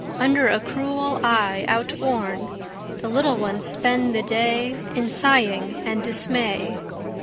Under a cruel eye outworn, The little ones spend the day In sighing and dismay.